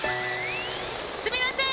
すみません！